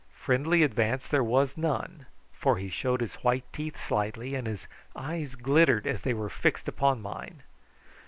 Friendly advance there was none, for he showed his white teeth slightly and his eyes glittered as they were fixed upon mine.